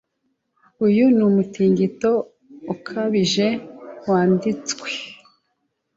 Uyu ni umutingito ukabije wanditswe.